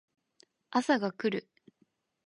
朝が来る